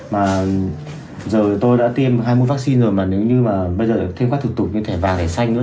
mà giờ tôi đã tiêm hai mươi vaccine rồi mà nếu như mà bây giờ thêm các thủ tục như thẻ vàng thẻ xanh thôi